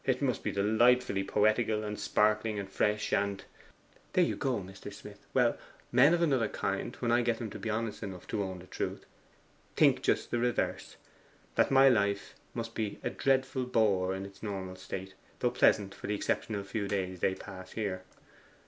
'It must be delightfully poetical, and sparkling, and fresh, and ' 'There you go, Mr. Smith! Well, men of another kind, when I get them to be honest enough to own the truth, think just the reverse: that my life must be a dreadful bore in its normal state, though pleasant for the exceptional few days they pass here.